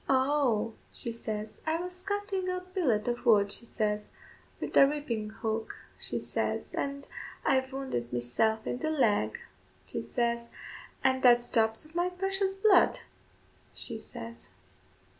"Oh," she says, "I was cuttin' a billet of wood," she says, "wid the reaping hook," she says, "an' I've wounded meself in the leg," she says, "and that's drops of my precious blood," she says.